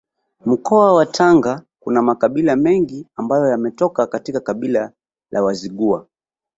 Mkoa wa Tanga kuna makabila mengi ambayo yametoka katika kabila la Wazigua